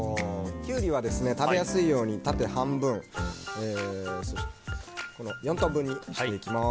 キュウリは食べやすいように縦半分４等分にしていきます。